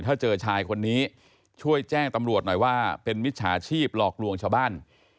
ถ้าเจอชายคนนี้ช่วยแจ้งตำรวจหน่อยว่าเป็นมิจฉาชีพหลอกลวงชาวบ้าน